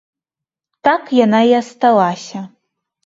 Так яна і асталася.